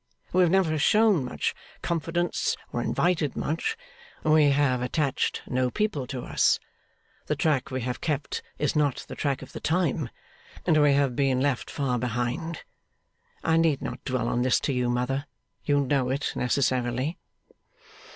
We have never shown much confidence, or invited much; we have attached no people to us; the track we have kept is not the track of the time; and we have been left far behind. I need not dwell on this to you, mother. You know it necessarily.